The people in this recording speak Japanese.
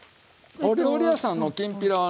お料理屋さんのきんぴらはね